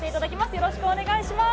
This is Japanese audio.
よろしくお願いします。